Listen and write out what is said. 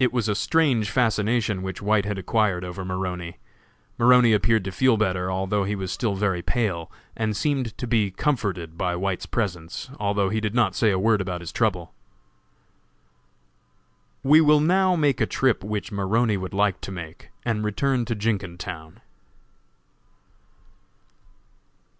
It was a strange fascination which White had acquired over Maroney. Maroney appeared to feel better, although he was still very pale, and seemed to be comforted by White's presence, although he did not say a word about his trouble. We will now make a trip which Maroney would like to make, and return to Jenkintown.